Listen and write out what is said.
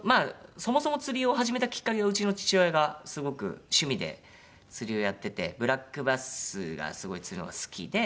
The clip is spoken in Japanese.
そもそも釣りを始めたきっかけがうちの父親がすごく趣味で釣りをやっててブラックバスがすごい釣るのが好きで。